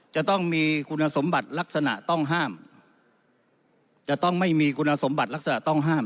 จะต้องมีคุณสมบัติลักษณะต้องห้ามจะต้องไม่มีคุณสมบัติลักษณะต้องห้าม